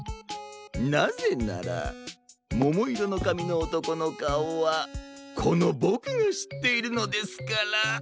なぜならももいろのかみのおとこのかおはこのボクがしっているのですから。